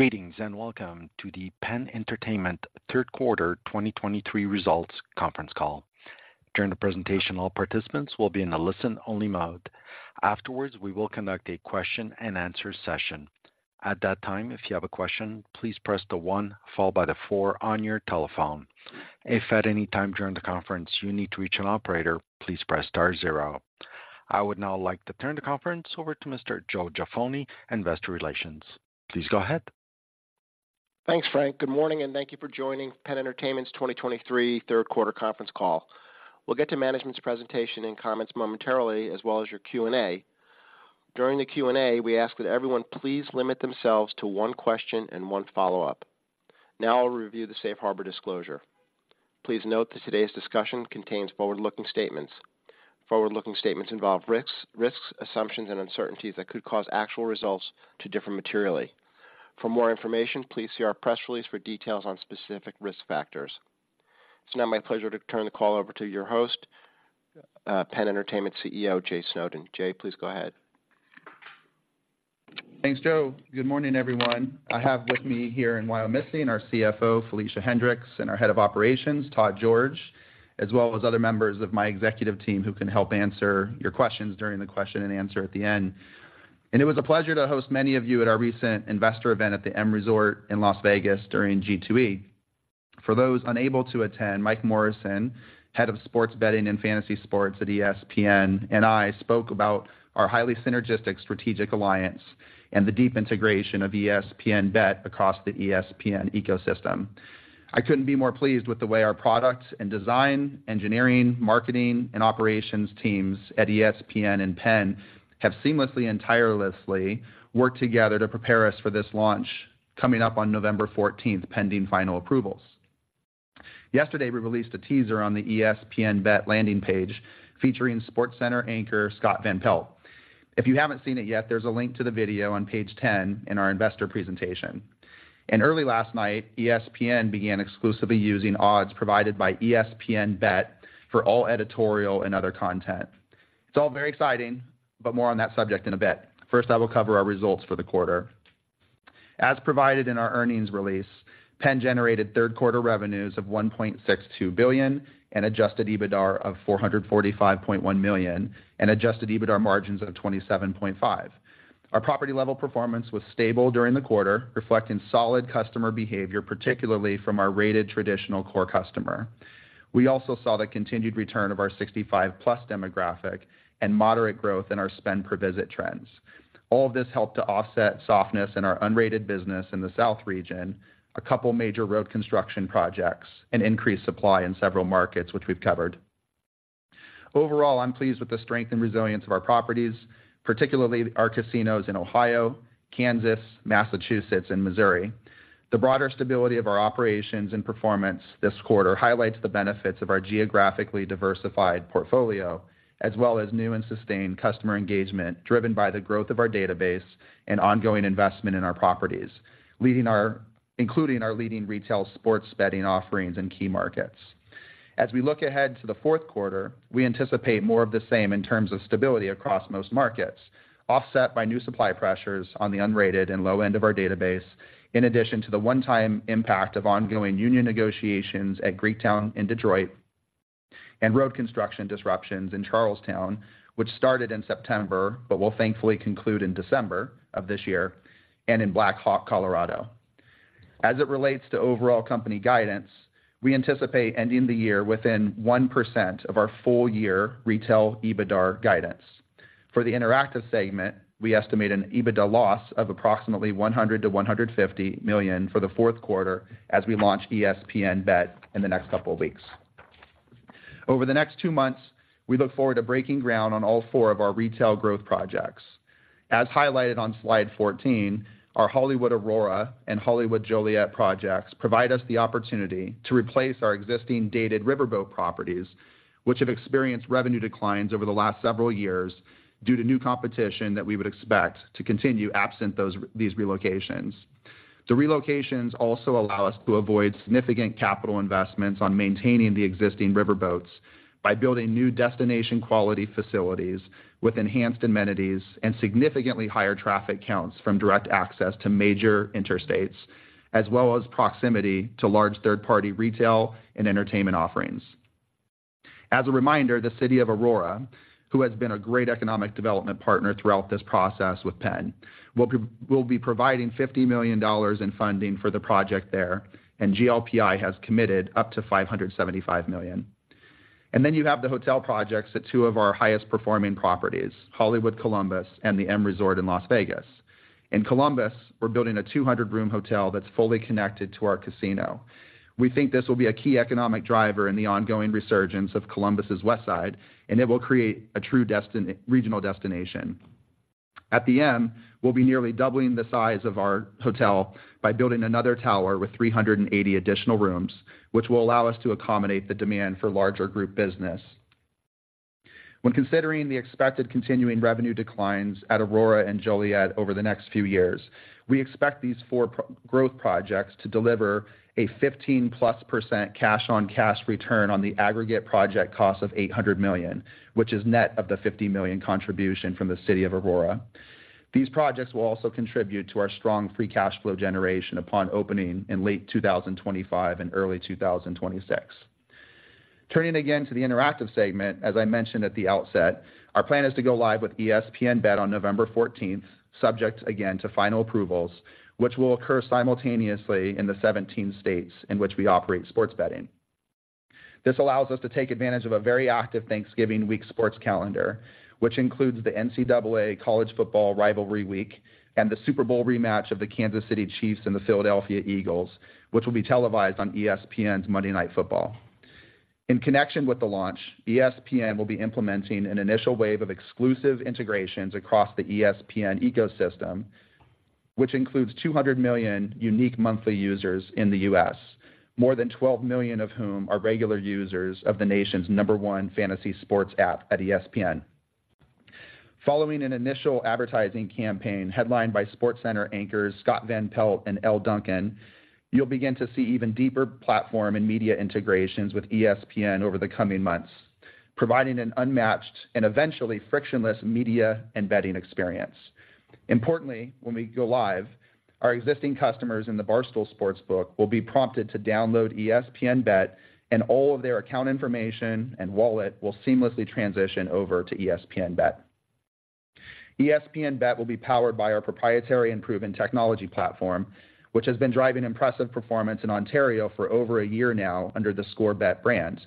Greetings, and welcome to the PENN Entertainment third quarter 2023 results conference call. During the presentation, all participants will be in a listen-only mode. Afterwards, we will conduct a question-and-answer session. At that time, if you have a question, please press the one followed by the four on your telephone. If at any time during the conference you need to reach an operator, please press star zero. I would now like to turn the conference over to Mr. Joe Jaffoni, Investor Relations. Please go ahead. Thanks, Frank. Good morning, and thank you for joining PENN Entertainment's 2023 third quarter conference call. We'll get to management's presentation and comments momentarily, as well as your Q&A. During the Q&A, we ask that everyone please limit themselves to one question and one follow-up. Now I'll review the Safe Harbor disclosure. Please note that today's discussion contains forward-looking statements. Forward-looking statements involve risks, assumptions, and uncertainties that could cause actual results to differ materially. For more information, please see our press release for details on specific risk factors. It's now my pleasure to turn the call over to your host, PENN Entertainment CEO, Jay Snowden. Jay, please go ahead. Thanks, Joe. Good morning, everyone. I have with me here in Wyomissing, our CFO, Felicia Hendrix, and our Head of Operations, Todd George, as well as other members of my executive team who can help answer your questions during the question and answer at the end. And it was a pleasure to host many of you at our recent investor event at the M Resort in Las Vegas during G2E. For those unable to attend, Mike Morrison, Head of Sports Betting and Fantasy Sports at ESPN, and I spoke about our highly synergistic strategic alliance and the deep integration of ESPN BET across the ESPN ecosystem. I couldn't be more pleased with the way our product and design, engineering, marketing, and operations teams at ESPN and PENN have seamlessly and tirelessly worked together to prepare us for this launch, coming up on November fourteenth, pending final approvals. Yesterday, we released a teaser on the ESPN BET landing page, featuring SportsCenter anchor, Scott Van Pelt. If you haven't seen it yet, there's a link to the video on page 10 in our investor presentation. Early last night, ESPN began exclusively using odds provided by ESPN BET for all editorial and other content. It's all very exciting, but more on that subject in a bit. First, I will cover our results for the quarter. As provided in our earnings release, PENN generated third quarter revenues of $1.62 billion, an Adjusted EBITDA of $445.1 million, and Adjusted EBITDA margins of 27.5%. Our property-level performance was stable during the quarter, reflecting solid customer behavior, particularly from our rated traditional core customer. We also saw the continued return of our 65+ demographic and moderate growth in our spend per visit trends. All of this helped to offset softness in our unrated business in the South region, a couple major road construction projects and increased supply in several markets, which we've covered. Overall, I'm pleased with the strength and resilience of our properties, particularly our casinos in Ohio, Kansas, Massachusetts, and Missouri. The broader stability of our operations and performance this quarter highlights the benefits of our geographically diversified portfolio, as well as new and sustained customer engagement, driven by the growth of our database and ongoing investment in our properties, including our leading retail sports betting offerings in key markets. As we look ahead to the fourth quarter, we anticipate more of the same in terms of stability across most markets, offset by new supply pressures on the unrated and low end of our database, in addition to the one-time impact of ongoing union negotiations at Greektown in Detroit and road construction disruptions in Charles Town, which started in September, but will thankfully conclude in December of this year, and in Black Hawk, Colorado. As it relates to overall company guidance, we anticipate ending the year within 1% of our full year retail EBITDA guidance. For the Interactive segment, we estimate an EBITDA loss of approximately $100 million-$150 million for the fourth quarter as we launch ESPN BET in the next couple of weeks. Over the next two months, we look forward to breaking ground on all four of our retail growth projects. As highlighted on slide 14, our Hollywood Aurora and Hollywood Joliet projects provide us the opportunity to replace our existing dated riverboat properties, which have experienced revenue declines over the last several years due to new competition that we would expect to continue absent those, these relocations. The relocations also allow us to avoid significant capital investments on maintaining the existing riverboats by building new destination quality facilities with enhanced amenities and significantly higher traffic counts from direct access to major interstates, as well as proximity to large third-party retail and entertainment offerings. As a reminder, the city of Aurora, who has been a great economic development partner throughout this process with PENN, will be providing $50 million in funding for the project there, and GLPI has committed up to $575 million. Then you have the hotel projects at two of our highest performing properties, Hollywood Columbus and the M Resort in Las Vegas. In Columbus, we're building a 200-room hotel that's fully connected to our casino. We think this will be a key economic driver in the ongoing resurgence of Columbus's West Side, and it will create a true regional destination. At the M, we'll be nearly doubling the size of our hotel by building another tower with 380 additional rooms, which will allow us to accommodate the demand for larger group business. When considering the expected continuing revenue declines at Aurora and Joliet over the next few years, we expect these four growth projects to deliver a 15%+ cash on cash return on the aggregate project cost of $800 million, which is net of the $50 million contribution from the city of Aurora. These projects will also contribute to our strong free cash flow generation upon opening in late 2025 and early 2026. Turning again to the Interactive segment, as I mentioned at the outset, our plan is to go live with ESPN BET on November fourteenth, subject again to final approvals, which will occur simultaneously in the 17 states in which we operate sports betting. This allows us to take advantage of a very active Thanksgiving week sports calendar, which includes the NCAA College Football Rivalry Week and the Super Bowl rematch of the Kansas City Chiefs and the Philadelphia Eagles, which will be televised on ESPN's Monday Night Football. In connection with the launch, ESPN will be implementing an initial wave of exclusive integrations across the ESPN ecosystem, which includes 200 million unique monthly users in the U.S., more than 12 million of whom are regular users of the nation's number one fantasy sports app at ESPN. Following an initial advertising campaign headlined by SportsCenter anchors Scott Van Pelt and Elle Duncan, you'll begin to see even deeper platform and media integrations with ESPN over the coming months, providing an unmatched and eventually frictionless media and betting experience. Importantly, when we go live, our existing customers in the Barstool Sportsbook will be prompted to download ESPN BET, and all of their account information and wallet will seamlessly transition over to ESPN BET. ESPN BET will be powered by our proprietary and proven technology platform, which has been driving impressive performance in Ontario for over a year now under the theScore Bet brand.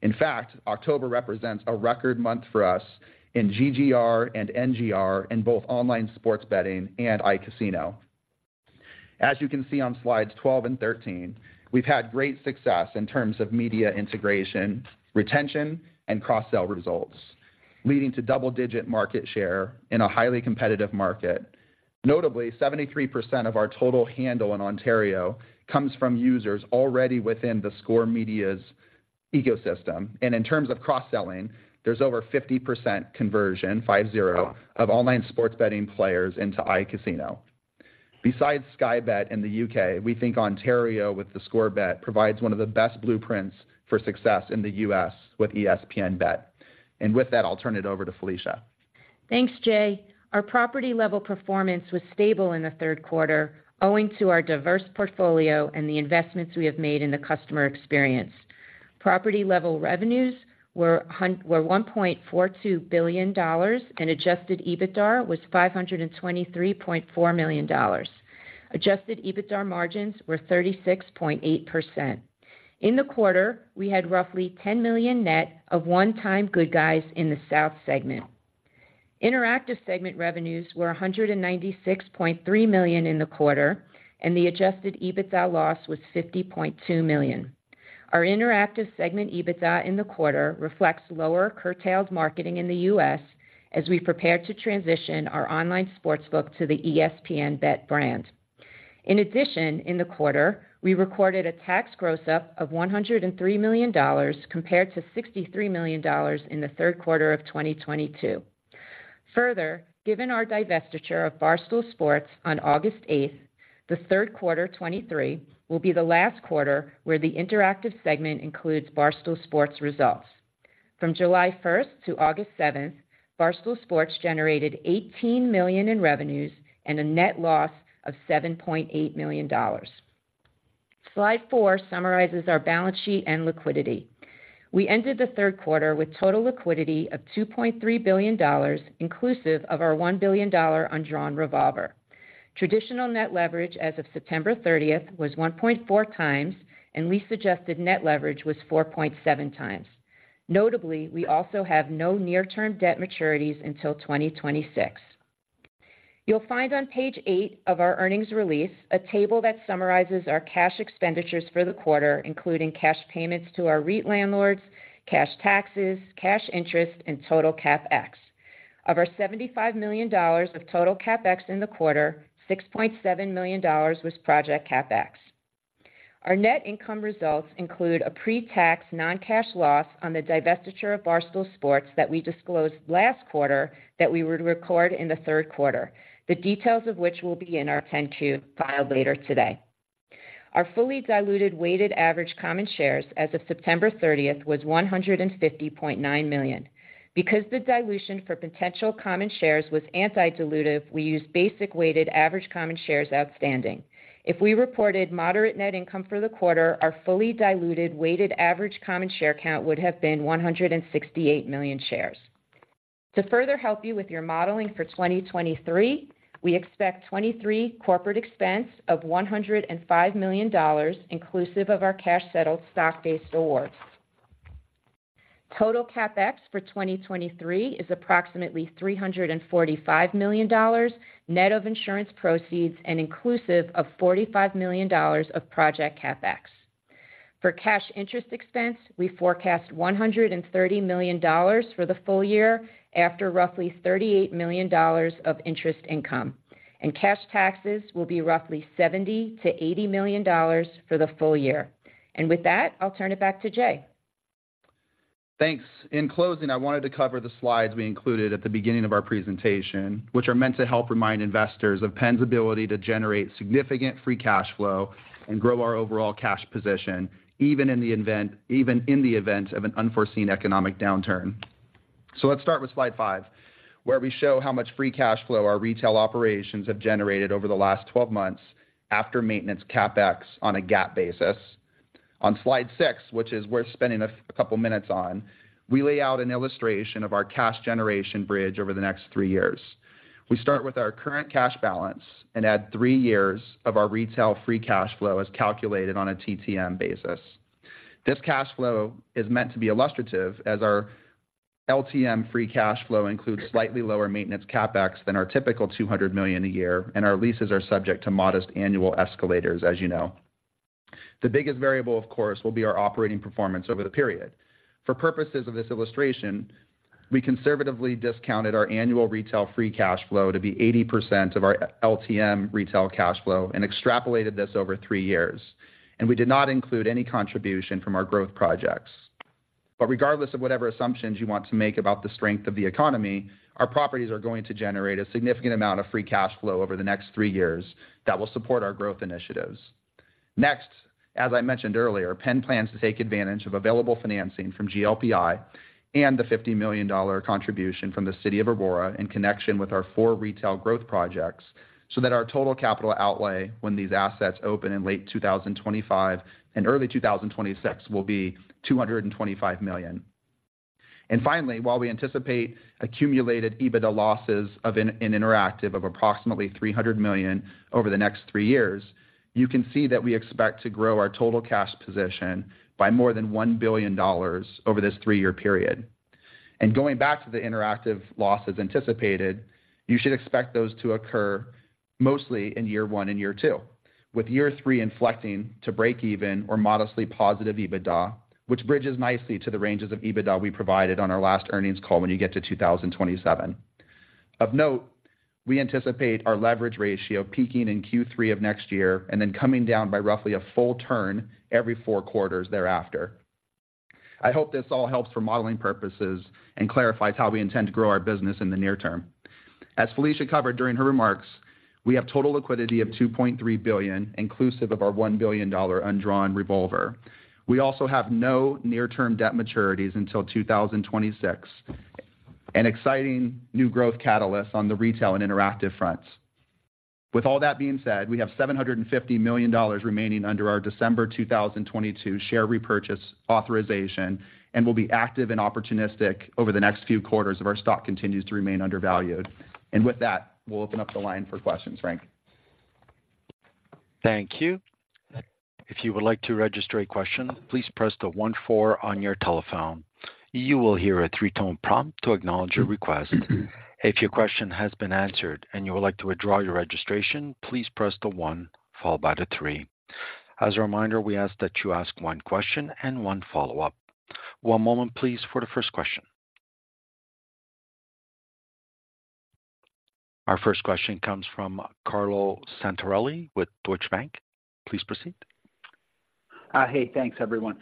In fact, October represents a record month for us in GGR and NGR in both online sports betting and iCasino. As you can see on slides 12 and 13, we've had great success in terms of media integration, retention, and cross-sell results, leading to double-digit market share in a highly competitive market. Notably, 73% of our total handle in Ontario comes from users already within theScore's ecosystem, and in terms of cross-selling, there's over 50% conversion, 50, of online sports betting players into iCasino. Besides Sky Bet in the U.K., we think Ontario, with theScore Bet, provides one of the best blueprints for success in the U.S. with ESPN BET. With that, I'll turn it over to Felicia. Thanks, Jay. Our property-level performance was stable in the third quarter, owing to our diverse portfolio and the investments we have made in the customer experience. Property-level revenues were $1.42 billion, and Adjusted EBITDA was $523.4 million. Adjusted EBITDA margins were 36.8%. In the quarter, we had roughly $10 million net of one-time good guys in the South segment. Interactive segment revenues were $196.3 million in the quarter, and the Adjusted EBITDA loss was $50.2 million. Our Interactive segment EBITDA in the quarter reflects lower curtailed marketing in the U.S. as we prepare to transition our online sportsbook to the ESPN BET brand. In addition, in the quarter, we recorded a tax gross-up of $103 million compared to $63 million in the third quarter of 2022. Further, given our divestiture of Barstool Sports on August 8, the third quarter 2023 will be the last quarter where the Interactive segment includes Barstool Sports results. From July 1 to August 7, Barstool Sports generated $18 million in revenues and a net loss of $7.8 million. Slide four summarizes our balance sheet and liquidity. We ended the third quarter with total liquidity of $2.3 billion, inclusive of our $1 billion undrawn revolver. Traditional net leverage as of September 30 was 1.4 times, and adjusted net leverage was 4.7 times. Notably, we also have no near-term debt maturities until 2026. You'll find on page eight of our earnings release, a table that summarizes our cash expenditures for the quarter, including cash payments to our REIT landlords, cash taxes, cash interest, and total CapEx. Of our $75 million of total CapEx in the quarter, $6.7 million was project CapEx. Our net income results include a pre-tax, non-cash loss on the divestiture of Barstool Sports that we disclosed last quarter that we would record in the third quarter, the details of which will be in our 10-Q filed later today. Our fully diluted weighted average common shares as of September 30 was 150.9 million. Because the dilution for potential common shares was anti-dilutive, we used basic weighted average common shares outstanding. If we reported moderate net income for the quarter, our fully diluted weighted average common share count would have been 168 million shares. To further help you with your modeling for 2023, we expect 2023 corporate expense of $105 million, inclusive of our cash-settled stock-based awards. Total CapEx for 2023 is approximately $345 million, net of insurance proceeds and inclusive of $45 million of project CapEx. For cash interest expense, we forecast $130 million for the full year, after roughly $38 million of interest income. And cash taxes will be roughly $70 million-$80 million for the full year. And with that, I'll turn it back to Jay. Thanks. In closing, I wanted to cover the slides we included at the beginning of our presentation, which are meant to help remind investors of PENN's ability to generate significant free cash flow and grow our overall cash position, even in the event of an unforeseen economic downturn... So let's start with slide five, where we show how much free cash flow our retail operations have generated over the last 12 months after maintenance CapEx on a GAAP basis. On slide six which is worth spending a couple of minutes on, we lay out an illustration of our cash generation bridge over the next three years. We start with our current cash balance and add three years of our retail free cash flow, as calculated on a TTM basis. This cash flow is meant to be illustrative, as our LTM free cash flow includes slightly lower maintenance CapEx than our typical $200 million a year, and our leases are subject to modest annual escalators, as you know. The biggest variable, of course, will be our operating performance over the period. For purposes of this illustration, we conservatively discounted our annual retail free cash flow to be 80% of our LTM retail cash flow and extrapolated this over three years, and we did not include any contribution from our growth projects. But regardless of whatever assumptions you want to make about the strength of the economy, our properties are going to generate a significant amount of free cash flow over the next three years that will support our growth initiatives. Next, as I mentioned earlier, PENN plans to take advantage of available financing from GLPI and the $50 million contribution from the city of Aurora in connection with our four retail growth projects, so that our total capital outlay when these assets open in late 2025 and early 2026 will be $225 million. And finally, while we anticipate accumulated EBITDA losses in Interactive of approximately $300 million over the next three years, you can see that we expect to grow our total cash position by more than $1 billion over this three-year period. Going back to the Interactive losses anticipated, you should expect those to occur mostly in year one and year two, with year three inflecting to breakeven or modestly positive EBITDA, which bridges nicely to the ranges of EBITDA we provided on our last earnings call when you get to 2027. Of note, we anticipate our leverage ratio peaking in Q3 of next year and then coming down by roughly a full turn every four quarters thereafter. I hope this all helps for modeling purposes and clarifies how we intend to grow our business in the near term. As Felicia covered during her remarks, we have total liquidity of $2.3 billion, inclusive of our $1 billion undrawn revolver. We also have no near-term debt maturities until 2026, an exciting new growth catalyst on the retail and Interactive fronts. With all that being said, we have $750 million remaining under our December 2022 share repurchase authorization, and we'll be active and opportunistic over the next few quarters if our stock continues to remain undervalued. With that, we'll open up the line for questions, Frank. Thank you. If you would like to register a question, please press the one four on your telephone. You will hear a three-tone prompt to acknowledge your request. If your question has been answered and you would like to withdraw your registration, please press the one, followed by the three. As a reminder, we ask that you ask one question and one follow-up. One moment, please, for the first question. Our first question comes from Carlo Santarelli with Deutsche Bank. Please proceed. Hey, thanks, everyone.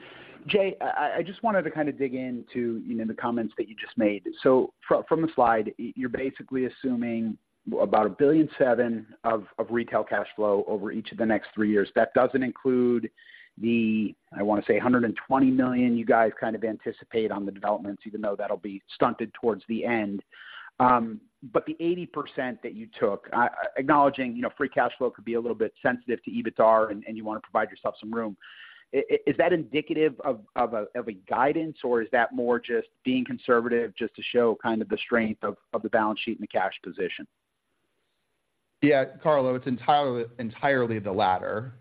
Jay, I just wanted to kind of dig into, you know, the comments that you just made. So from the slide, you're basically assuming about $1.7 billion of retail cash flow over each of the next three years. That doesn't include the, I want to say, $120 million you guys kind of anticipate on the developments, even though that'll be stunted towards the end. But the 80% that you took, acknowledging, you know, free cash flow could be a little bit sensitive to EBITDAR and you want to provide yourself some room. Is that indicative of a guidance, or is that more just being conservative just to show kind of the strength of the balance sheet and the cash position? Yeah, Carlo, it's entirely, entirely the latter.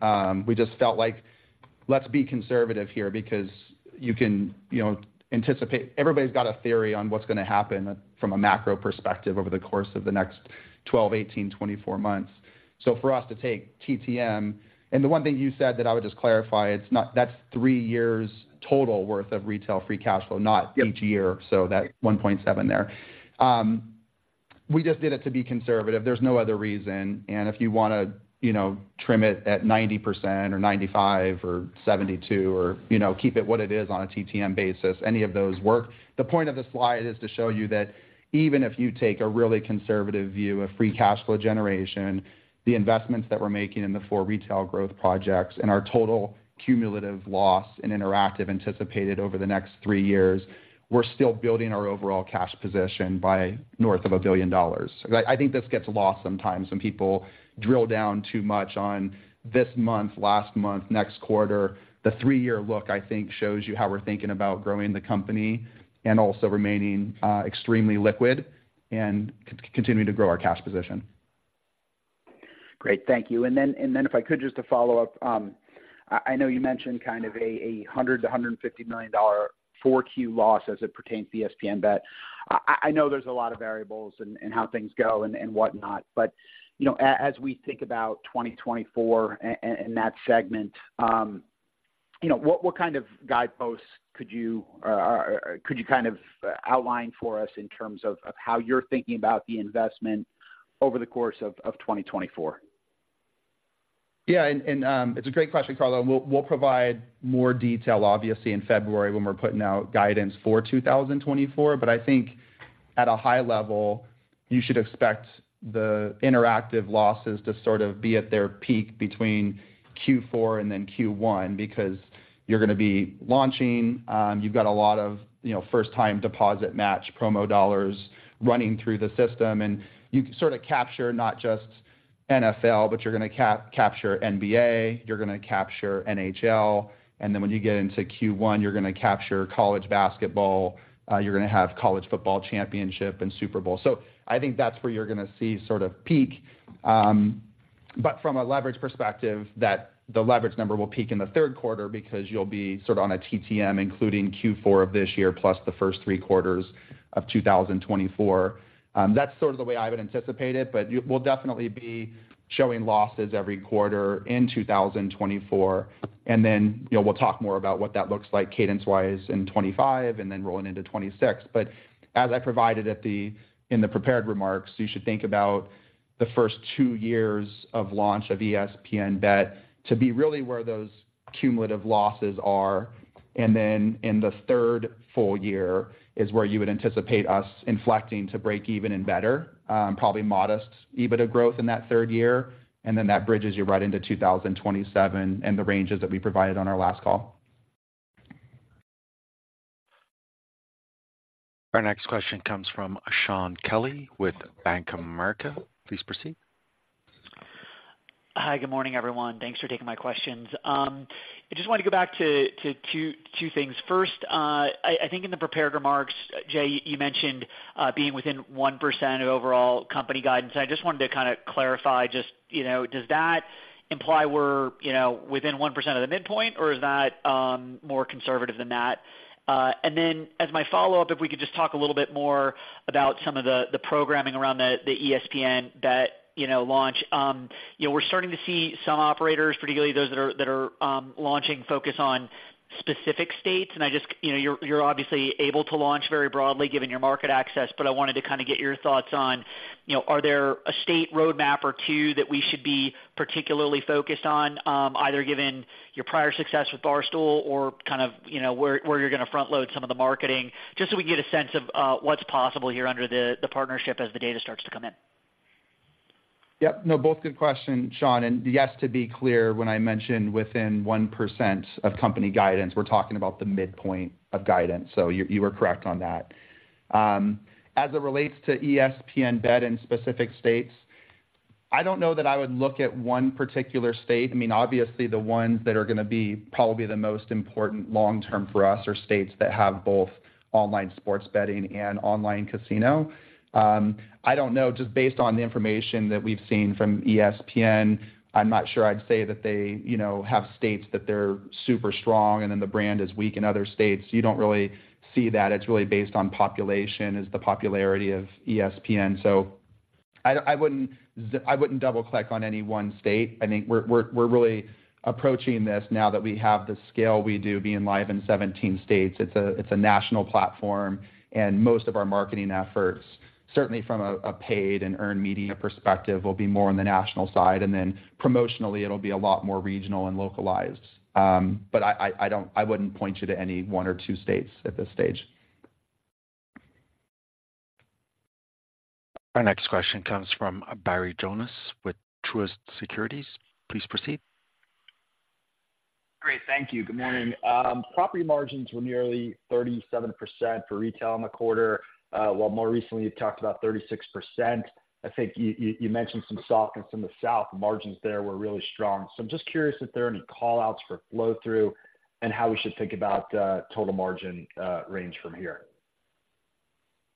We just felt like, let's be conservative here because you can, you know, anticipate, everybody's got a theory on what's gonna happen from a macro perspective over the course of the next 12, 18, 24 months. So for us to take TTM, and the one thing you said that I would just clarify, it's not, that's three years total worth of retail free cash flow, not each year, so that $1.7 there. We just did it to be conservative. There's no other reason. If you wanna, you know, trim it at 90% or 95% or 72% or, you know, keep it what it is on a TTM basis, any of those work. The point of the slide is to show you that even if you take a really conservative view of free cash flow generation, the investments that we're making in the four retail growth projects and our total cumulative loss in Interactive anticipated over the next three years, we're still building our overall cash position by north of $1 billion. I think this gets lost sometimes when people drill down too much on this month, last month, next quarter. The three-year look, I think, shows you how we're thinking about growing the company and also remaining extremely liquid and continuing to grow our cash position. Great. Thank you. If I could, just to follow up, I know you mentioned kind of a $100 million-$150 million Q4 loss as it pertains to ESPN BET. I know there's a lot of variables in how things go and whatnot, but, you know, as we think about 2024 in that segment, you know, what kind of guideposts could you kind of outline for us in terms of how you're thinking about the investment over the course of 2024? Yeah, and, it's a great question, Carlo. We'll provide more detail, obviously, in February when we're putting out guidance for 2024, but I think. At a high level, you should expect the Interactive losses to sort of be at their peak between Q4 and then Q1, because you're gonna be launching, you've got a lot of, you know, first-time deposit match promo dollars running through the system, and you sort of capture not just NFL, but you're gonna capture NBA, you're gonna capture NHL, and then when you get into Q1, you're gonna capture college basketball, you're gonna have college football championship and Super Bowl. So I think that's where you're gonna see sort of peak. But from a leverage perspective, the leverage number will peak in the third quarter because you'll be sort of on a TTM, including Q4 of this year, plus the first three quarters of 2024. That's sort of the way I would anticipate it, but you-- we'll definitely be showing losses every quarter in 2024, and then, you know, we'll talk more about what that looks like cadence-wise in 2025 and then rolling into 2026. But as I provided in the prepared remarks, you should think about the first two years of launch of ESPN BET to be really where those cumulative losses are. And then in the third full year is where you would anticipate us inflecting to break even and better, probably modest EBITDA growth in that third year, and then that bridges you right into 2027 and the ranges that we provided on our last call. Our next question comes from Shaun Kelley with Bank of America. Please proceed. Hi, good morning, everyone. Thanks for taking my questions. I just want to go back to two things. First, I think in the prepared remarks, Jay, you mentioned being within 1% of overall company guidance. I just wanted to kind of clarify, just, you know, does that imply we're, you know, within 1% of the midpoint, or is that more conservative than that? And then, as my follow-up, if we could just talk a little bit more about some of the programming around the ESPN BET launch. You know, we're starting to see some operators, particularly those that are launching, focus on specific states, and I just... You know, you're obviously able to launch very broadly given your market access, but I wanted to kind of get your thoughts on, you know, are there a state roadmap or two that we should be particularly focused on, either given your prior success with Barstool or kind of, you know, where you're going to front-load some of the marketing, just so we can get a sense of what's possible here under the partnership as the data starts to come in. Yep. No, both good questions, Sean. And yes, to be clear, when I mentioned within 1% of company guidance, we're talking about the midpoint of guidance, so you, you were correct on that. As it relates to ESPN BET in specific states, I don't know that I would look at one particular state. I mean, obviously, the ones that are gonna be probably the most important long term for us are states that have both online sports betting and online casino. I don't know, just based on the information that we've seen from ESPN, I'm not sure I'd say that they, you know, have states that they're super strong and then the brand is weak in other states. You don't really see that. It's really based on population, is the popularity of ESPN. So I wouldn't double click on any one state. I think we're really approaching this, now that we have the scale we do, being live in 17 states, it's a national platform, and most of our marketing efforts, certainly from a paid and earned media perspective, will be more on the national side, and then promotionally, it'll be a lot more regional and localized. But I don't. I wouldn't point you to any one or two states at this stage. Our next question comes from Barry Jonas with Truist Securities. Please proceed. Great, thank you. Good morning. Property margins were nearly 37% for retail in the quarter, while more recently you've talked about 36%. I think you mentioned some softness in the South. Margins there were really strong. So I'm just curious if there are any call-outs for flow-through and how we should think about, total margin, range from here.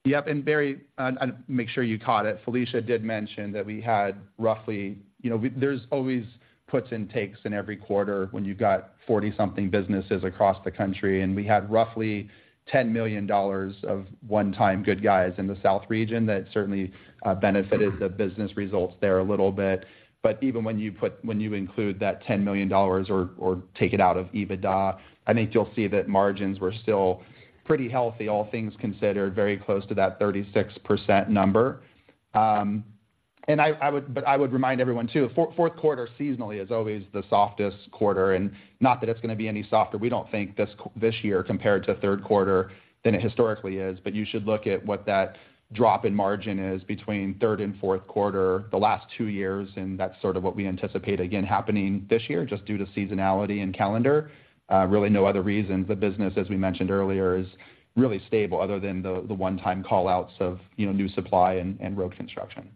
Yep, and Barry, and make sure you caught it. Felicia did mention that we had roughly... You know, we—there's always puts and takes in every quarter when you've got 40-something businesses across the country, and we had roughly $10 million of one-time good guys in the South region that certainly benefited the business results there a little bit. But even when you put—when you include that $10 million or take it out of EBITDA, I think you'll see that margins were still pretty healthy, all things considered, very close to that 36% number. And I would—but I would remind everyone, too, fourth quarter seasonally is always the softest quarter, and not that it's going to be any softer. We don't think this year compared to third quarter than it historically is, but you should look at what that drop in margin is between third and fourth quarter the last two years, and that's sort of what we anticipate again happening this year, just due to seasonality and calendar. Really no other reason. The business, as we mentioned earlier, is really stable other than the one-time callouts of, you know, new supply and road construction.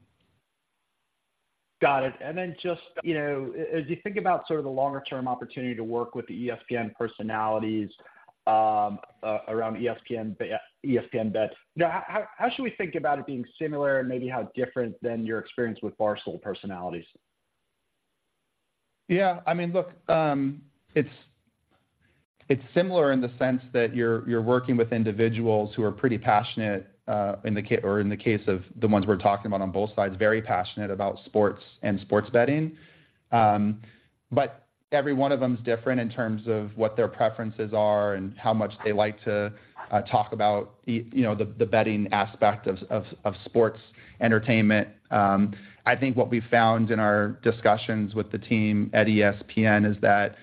Got it. And then just, you know, as you think about sort of the longer-term opportunity to work with the ESPN personalities, around ESPN BET, ESPN BETs, now, how should we think about it being similar and maybe how different than your experience with Barstool personalities? Yeah, I mean, look, it's similar in the sense that you're working with individuals who are pretty passionate, or in the case of the ones we're talking about on both sides, very passionate about sports and sports betting. But every one of them is different in terms of what their preferences are and how much they like to talk about, you know, the betting aspect of sports entertainment. I think what we found in our discussions with the team at ESPN is that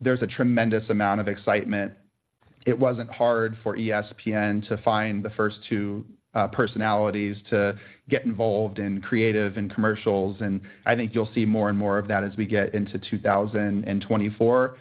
there's a tremendous amount of excitement. It wasn't hard for ESPN to find the first two personalities to get involved in creative and commercials, and I think you'll see more and more of that as we get into 2024.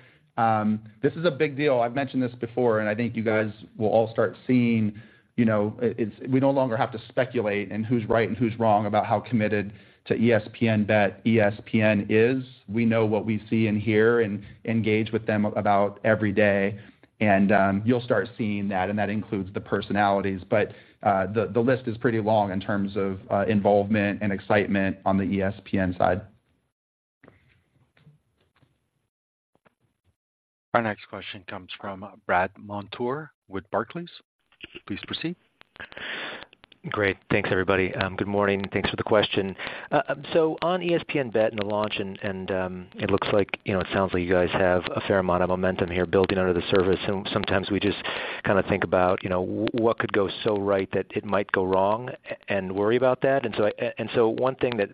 This is a big deal. I've mentioned this before, and I think you guys will all start seeing, you know, it's—we no longer have to speculate in who's right and who's wrong about how committed to ESPN BET ESPN is. We know what we see and hear and engage with them about every day, and you'll start seeing that, and that includes the personalities. But the list is pretty long in terms of involvement and excitement on the ESPN side. Our next question comes from Brandt Montour with Barclays. Please proceed. Great. Thanks, everybody. Good morning, and thanks for the question. So on ESPN BET and the launch, and it looks like, you know, it sounds like you guys have a fair amount of momentum here building out of the service, and sometimes we just kind of think about, you know, what could go so right that it might go wrong, and worry about that. And so one thing that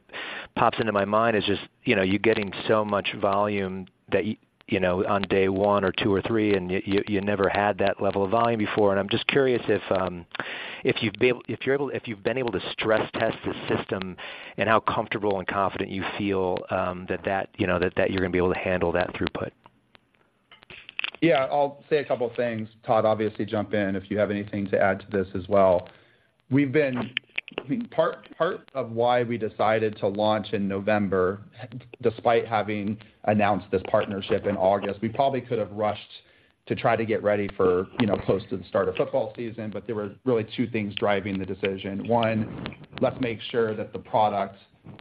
pops into my mind is just, you know, you getting so much volume that, you know, on day one or two or three, and you never had that level of volume before. And I'm just curious if you've be... If you're able—if you've been able to stress test the system and how comfortable and confident you feel, that, you know, that you're going to be able to handle that throughput. Yeah. I'll say a couple of things. Todd, obviously, jump in if you have anything to add to this as well. We've been, I mean, part of why we decided to launch in November, despite having announced this partnership in August, we probably could have rushed to try to get ready for, you know, close to the start of football season, but there were really two things driving the decision. One, let's make sure that the product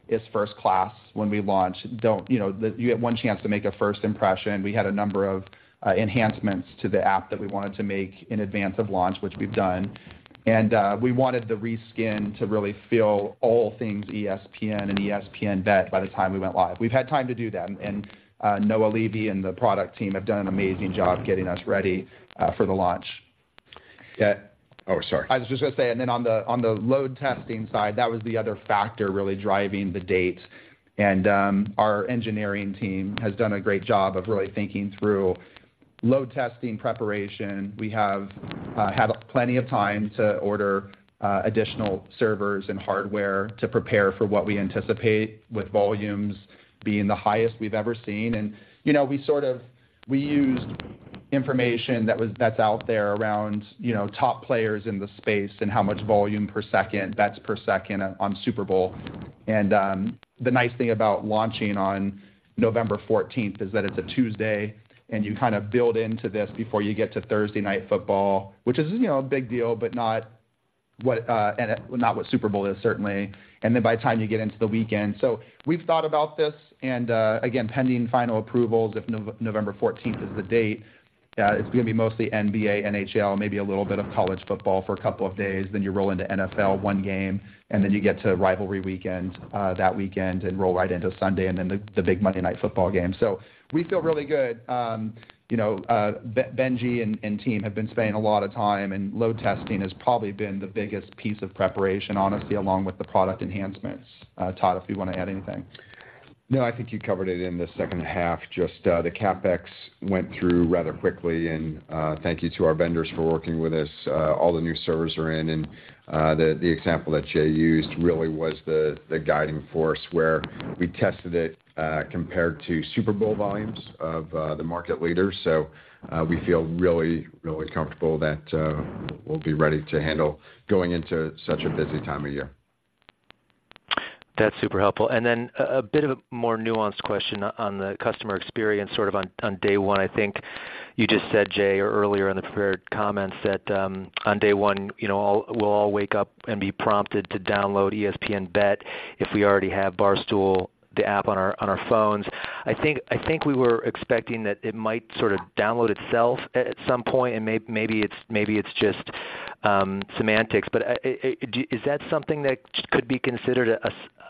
is first class when we launch. Don't... You know, that you get one chance to make a first impression. We had a number of enhancements to the app that we wanted to make in advance of launch, which we've done. And we wanted the reskin to really feel all things ESPN and ESPN BET by the time we went live. We've had time to do that, and Noah Levy and the product team have done an amazing job getting us ready for the launch. Yeah. Oh, sorry. I was just going to say, and then on the load testing side, that was the other factor really driving the date. Our engineering team has done a great job of really thinking through load testing preparation. We have had plenty of time to order additional servers and hardware to prepare for what we anticipate with volumes being the highest we've ever seen. You know, we sort of used information that's out there around, you know, top players in the space and how much volume per second, bets per second on Super Bowl. The nice thing about launching on November fourteenth is that it's a Tuesday, and you kind of build into this before you get to Thursday Night Football, which is, you know, a big deal, but not what Super Bowl is, certainly. And then by the time you get into the weekend... So we've thought about this, and, again, pending final approvals, if November fourteenth is the date, it's going to be mostly NBA, NHL, maybe a little bit of college football for a couple of days, then you roll into NFL, one game, and then you get to rivalry weekend, that weekend and roll right into Sunday, and then the, the big Monday Night Football game. So we feel really good. You know, Benjie and team have been spending a lot of time, and load testing has probably been the biggest piece of preparation, honestly, along with the product enhancements. Todd, if you want to add anything. No, I think you covered it in the second half. Just, the CapEx went through rather quickly, and, thank you to our vendors for working with us. All the new servers are in, and, the example that Jay used really was the guiding force, where we tested it, compared to Super Bowl volumes of the market leader. So, we feel really, really comfortable that we'll be ready to handle going into such a busy time of year. That's super helpful. And then a bit of a more nuanced question on the customer experience, sort of, on day one. I think you just said, Jay, or earlier in the prepared comments, that on day one, you know, we'll all wake up and be prompted to download ESPN BET if we already have Barstool, the app, on our phones. I think we were expecting that it might sort of download itself at some point, and maybe it's just semantics. But do is that something that could be considered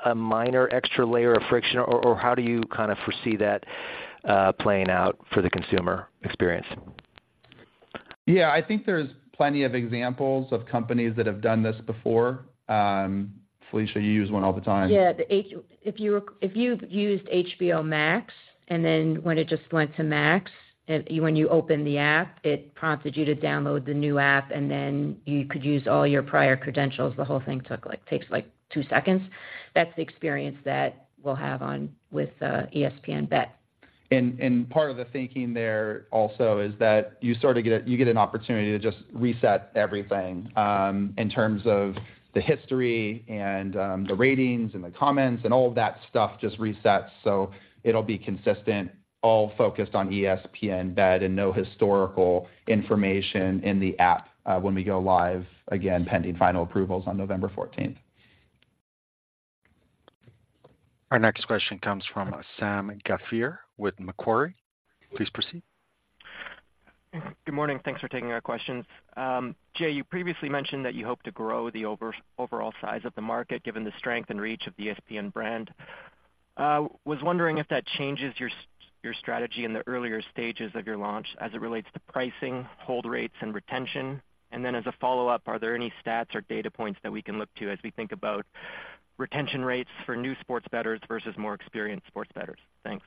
a minor extra layer of friction, or how do you kind of foresee that playing out for the consumer experience? Yeah, I think there's plenty of examples of companies that have done this before. Felicia, you use one all the time. Yeah, if you, if you've used HBO Max, and then when it just went to Max, and when you open the app, it prompted you to download the new app, and then you could use all your prior credentials. The whole thing took, like, takes, like, two seconds. That's the experience that we'll have on with ESPN BET. Part of the thinking there also is that you sort of get an opportunity to just reset everything, in terms of the history and the ratings and the comments, and all of that stuff just resets, so it'll be consistent, all focused on ESPN BET, and no historical information in the app, when we go live, again, pending final approvals on November fourteenth. Our next question comes from Sam Ghafir with Macquarie. Please proceed. Good morning. Thanks for taking our questions. Jay, you previously mentioned that you hope to grow the overall size of the market, given the strength and reach of the ESPN brand. Was wondering if that changes your strategy in the earlier stages of your launch as it relates to pricing, hold rates, and retention? And then, as a follow-up, are there any stats or data points that we can look to as we think about retention rates for new sports bettors versus more experienced sports bettors? Thanks.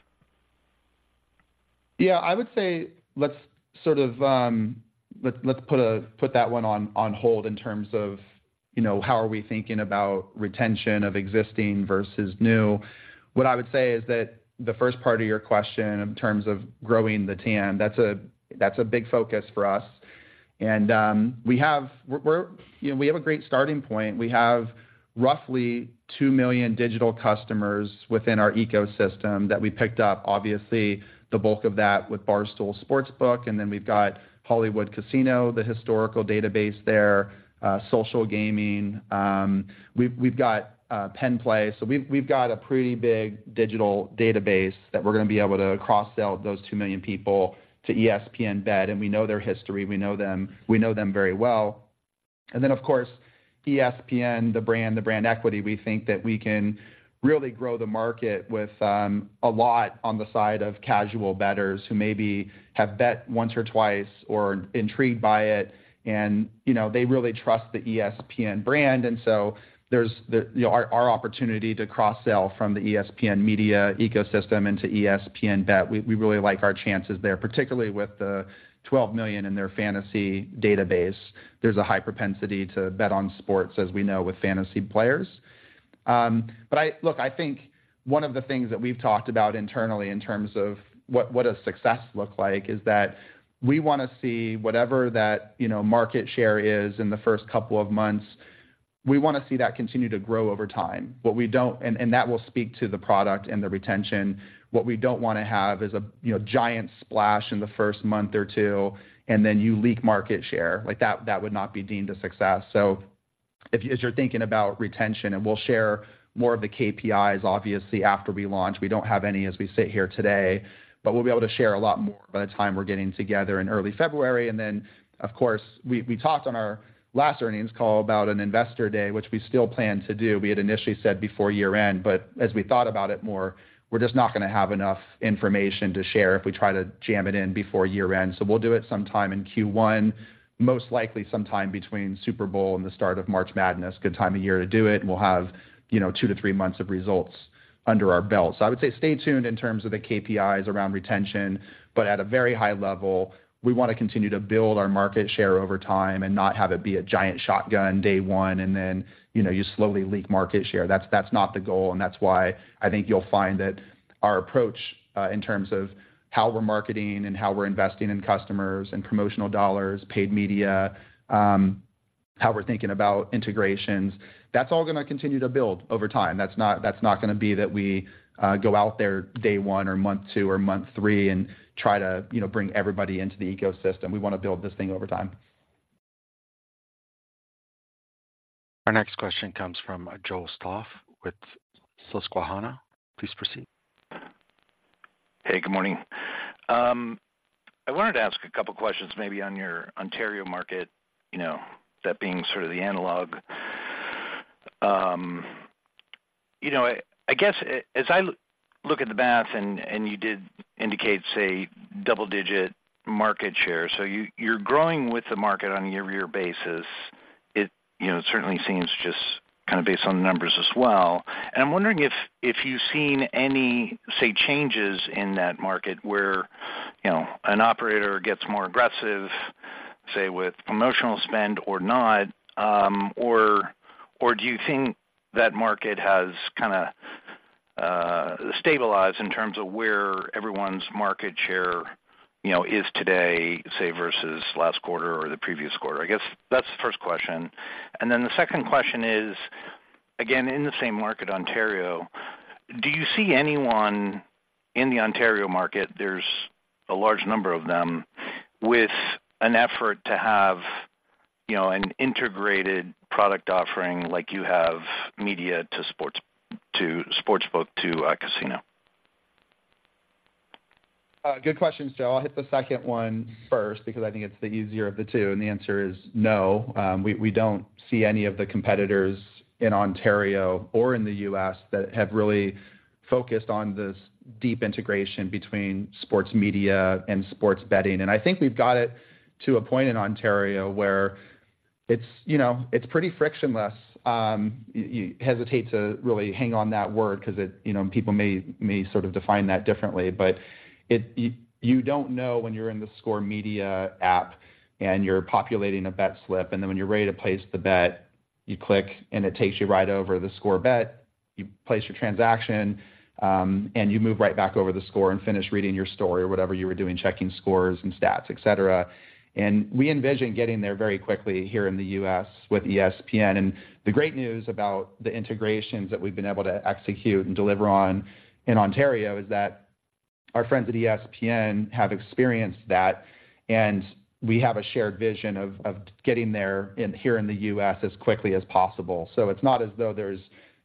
Yeah, I would say let's put that one on hold in terms of, you know, how are we thinking about retention of existing versus new. What I would say is that the first part of your question in terms of growing the TAM, that's a big focus for us. And, you know, we have a great starting point. We have roughly 2 million digital customers within our ecosystem that we picked up. Obviously, the bulk of that with Barstool Sportsbook, and then we've got Hollywood Casino, the historical database there, Social Gaming. We've got PENN Play. So we've got a pretty big digital database that we're going to be able to cross-sell those 2 million people to ESPN BET, and we know their history. We know them, we know them very well. And then, of course, ESPN, the brand, the brand equity, we think that we can really grow the market with a lot on the side of casual bettors who maybe have bet once or twice or are intrigued by it, and, you know, they really trust the ESPN brand. And so our opportunity to cross-sell from the ESPN media ecosystem into ESPN BET. We really like our chances there, particularly with the 12 million in their fantasy database. There's a high propensity to bet on sports, as we know, with fantasy players. But I... Look, I think one of the things that we've talked about internally in terms of what, what does success look like is that we want to see whatever that, you know, market share is in the first couple of months, we want to see that continue to grow over time. What we don't want, and that will speak to the product and the retention. What we don't want to have is a, you know, giant splash in the first month or two, and then you leak market share. Like, that, that would not be deemed a success. So, as you're thinking about retention, and we'll share more of the KPIs, obviously, after we launch. We don't have any as we sit here today, but we'll be able to share a lot more by the time we're getting together in early February. Then, of course, we talked on our last earnings call about an investor day, which we still plan to do. We had initially said before year-end, but as we thought about it more, we're just not going to have enough information to share if we try to jam it in before year-end. So we'll do it sometime in Q1, most likely sometime between Super Bowl and the start of March Madness. Good time of year to do it, and we'll have, you know, two-three months of results under our belt. So I would say stay tuned in terms of the KPIs around retention, but at a very high level, we want to continue to build our market share over time and not have it be a giant shotgun day one, and then, you know, you slowly leak market share. That's, that's not the goal, and that's why I think you'll find that our approach in terms of how we're marketing and how we're investing in customers and promotional dollars, paid media, how we're thinking about integrations, that's all going to continue to build over time. That's not, that's not going to be that we go out there day one or month two or month three and try to, you know, bring everybody into the ecosystem. We want to build this thing over time. Our next question comes from Joe Stauff with Susquehanna. Please proceed. Hey, good morning. I wanted to ask a couple questions, maybe on your Ontario market, you know, that being sort of the analog. You know, I guess as I look at the math, and you did indicate, say, double-digit market share. So you, you're growing with the market on a year-over-year basis. It, you know, certainly seems just kind of based on the numbers as well. And I'm wondering if you've seen any, say, changes in that market where, you know, an operator gets more aggressive, say, with promotional spend or not, or do you think that market has kind of stabilized in terms of where everyone's market share, you know, is today, say, versus last quarter or the previous quarter? I guess that's the first question. And then the second question is, again, in the same market, Ontario, do you see anyone in the Ontario market, there's a large number of them, with an effort to have, you know, an integrated product offering like you have media to sports, to sportsbook, to casino? Good question, Joe. I'll hit the second one first, because I think it's the easier of the two, and the answer is no. We don't see any of the competitors in Ontario or in the U.S. that have really focused on this deep integration between sports media and sports betting. And I think we've got it to a point in Ontario where it's, you know, it's pretty frictionless. You hesitate to really hang on that word because it, you know, people may sort of define that differently. But you don't know when you're in the theScore app and you're populating a bet slip, and then when you're ready to place the bet, you click, and it takes you right over the theScore Bet. You place your transaction, and you move right back over the theScore and finish reading your story or whatever you were doing, checking scores and stats, et cetera. We envision getting there very quickly here in the U.S. with ESPN. The great news about the integrations that we've been able to execute and deliver on in Ontario is that our friends at ESPN have experienced that, and we have a shared vision of getting there in here in the U.S. as quickly as possible. So it's not as though there's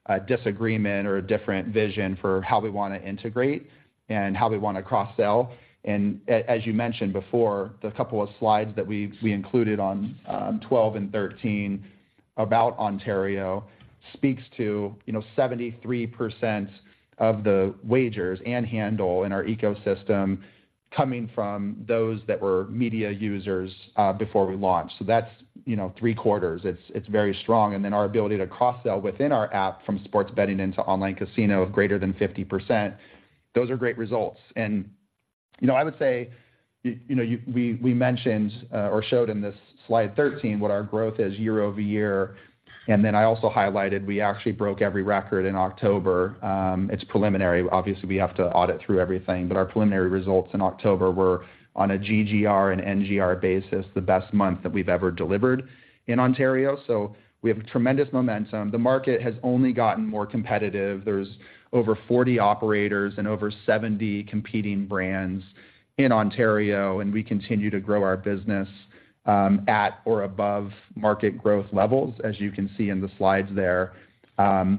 a disagreement or a different vision for how we want to integrate and how we want to cross-sell. As you mentioned before, the couple of slides that we included on 12 and 13 about Ontario speaks to, you know, 73% of the wagers and handle in our ecosystem. coming from those that were media users, before we launched. So that's, you know, three-quarters. It's, it's very strong. And then our ability to cross-sell within our app from sports betting into online casino of greater than 50%, those are great results. And, you know, I would say, we, we mentioned, or showed in this slide 13 what our growth is year-over-year. And then I also highlighted we actually broke every record in October. It's preliminary. Obviously, we have to audit through everything, but our preliminary results in October were, on a GGR and NGR basis, the best month that we've ever delivered in Ontario. So we have tremendous momentum. The market has only gotten more competitive. There's over 40 operators and over 70 competing brands in Ontario, and we continue to grow our business at or above market growth levels, as you can see in the slides there,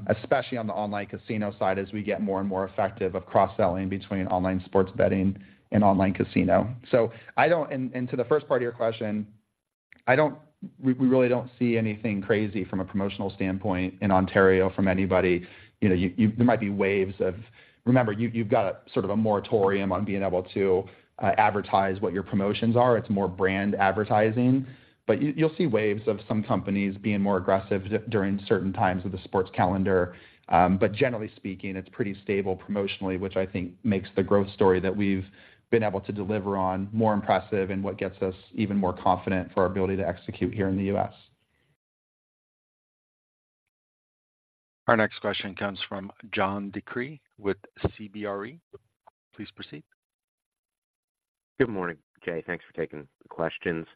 especially on the online casino side, as we get more and more effective at cross-selling between online sports betting and online casino. So, to the first part of your question, we really don't see anything crazy from a promotional standpoint in Ontario from anybody. You know, there might be waves of... Remember, you've got sort of a moratorium on being able to advertise what your promotions are. It's more brand advertising. But you'll see waves of some companies being more aggressive during certain times of the sports calendar. But generally speaking, it's pretty stable promotionally, which I think makes the growth story that we've been able to deliver on more impressive, and what gets us even more confident for our ability to execute here in the U.S.. Our next question comes from John DeCree with CBRE. Please proceed. Good morning, Jay. Thanks for taking the questions.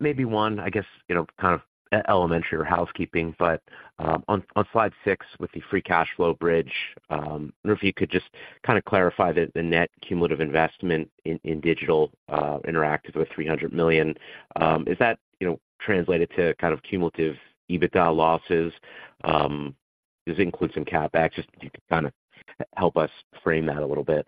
Maybe one, I guess, you know, kind of elementary or housekeeping, but on slide six, with the free cash flow bridge, I wonder if you could just kinda clarify the net cumulative investment in digital Interactive of $300 million. Is that, you know, translated to kind of cumulative EBITDA losses? Does it include some CapEx? Just if you could kinda help us frame that a little bit.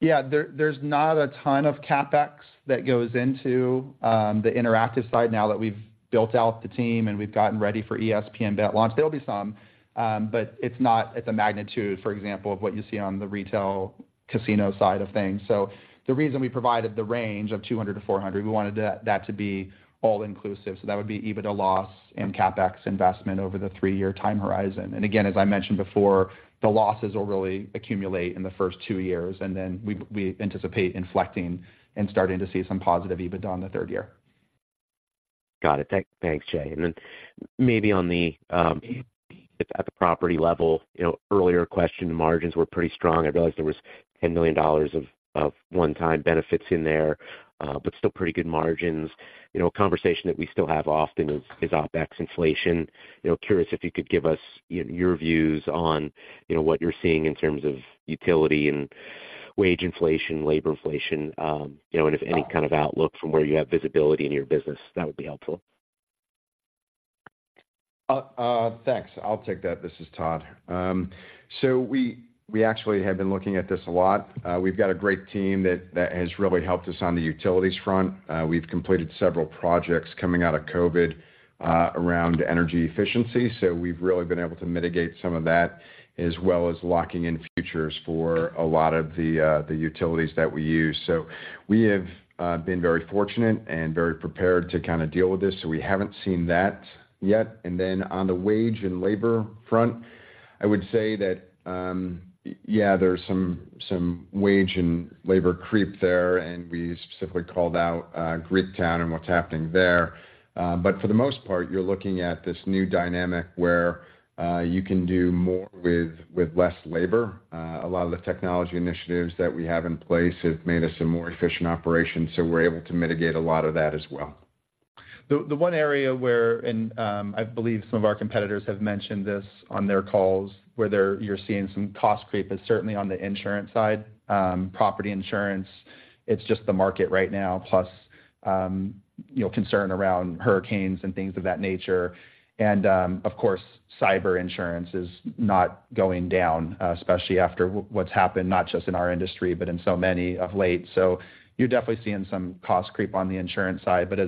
Yeah, there's not a ton of CapEx that goes into the Interactive side now that we've built out the team and we've gotten ready for ESPN BET launch. There'll be some, but it's not at the magnitude, for example, of what you see on the retail casino side of things. So the reason we provided the range of $200-$400, we wanted that to be all inclusive. So that would be EBITDA loss and CapEx investment over the three-year time horizon. And again, as I mentioned before, the losses will really accumulate in the first two years, and then we anticipate inflecting and starting to see some positive EBITDA in the third year. Got it. Thanks, Jay. And then maybe at the property level, you know, earlier question, margins were pretty strong. I realize there was $10 million of one-time benefits in there, but still pretty good margins. You know, a conversation that we still have often is OpEx inflation. You know, curious if you could give us your views on, you know, what you're seeing in terms of utility and wage inflation, labor inflation, you know, and if any kind of outlook from where you have visibility in your business, that would be helpful. Thanks. I'll take that. This is Todd. So we actually have been looking at this a lot. We've got a great team that has really helped us on the utilities front. We've completed several projects coming out of COVID around energy efficiency, so we've really been able to mitigate some of that, as well as locking in futures for a lot of the utilities that we use. So we have been very fortunate and very prepared to kinda deal with this, so we haven't seen that yet. And then on the wage and labor front, I would say that yeah, there's some wage and labor creep there, and we specifically called out Greektown and what's happening there. For the most part, you're looking at this new dynamic where you can do more with less labor. A lot of the technology initiatives that we have in place have made us a more efficient operation, so we're able to mitigate a lot of that as well. The one area where I believe some of our competitors have mentioned this on their calls, where you're seeing some cost creep, is certainly on the insurance side. Property insurance, it's just the market right now, plus, you know, concern around hurricanes and things of that nature. Of course, cyber insurance is not going down, especially after what's happened, not just in our industry, but in so many of late. So you're definitely seeing some cost creep on the insurance side. But